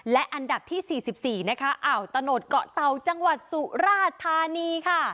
และอันดับที่๔๔ตะโนทเกาะเตาจังหวัดสุราชธานี